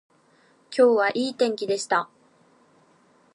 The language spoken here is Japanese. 今日はいい天気でした